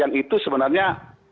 yang itu sebenarnya